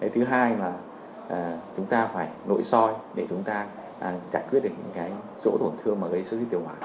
thứ hai là chúng ta phải nội soi để chúng ta trải quyết được những cái rỗ tổn thương mà gây xuất huyết tiêu hóa